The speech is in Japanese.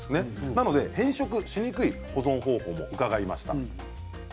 なので、変色しにくい保存方法も伺いました。